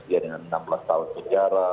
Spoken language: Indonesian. ya dengan enam belas tahun penjara